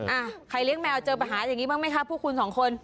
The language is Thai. อ่ะใครเลี้ยงแมวเจอปัญหาอย่างนี้บ้างไหมคะพวกคุณสองคน